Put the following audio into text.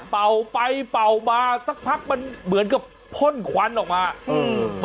เป่าไปเป่ามาสักพักมันเหมือนกับพ่นควันออกมาอืม